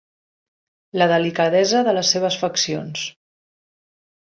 La delicadesa de les seves faccions.